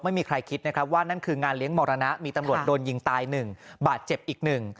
ไม่มีใครคิดนะครับว่านั่นคืองานเลี้ยงมรณะมีตำรวจโดนยิงตายหนึ่งบาดเจ็บอีกหนึ่ง